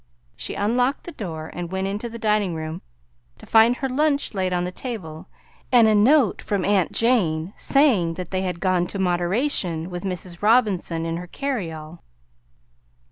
She unlocked the door and went into the dining room to find her lunch laid on the table and a note from aunt Jane saying that they had gone to Moderation with Mrs. Robinson in her carryall.